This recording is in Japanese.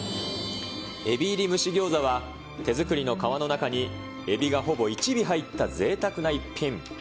海老入り蒸しぎょうざは、手作りの皮の中に、エビがほぼ１尾入ったぜいたくな逸品。